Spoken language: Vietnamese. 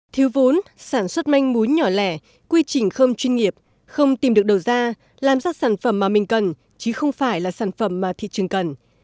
thiếu vốn sản xuất manh mún nhỏ lẻ quy trình không chuyên nghiệp không tìm được đầu ra làm ra sản phẩm mà mình cần chứ không phải là sản phẩm mà thị trường cần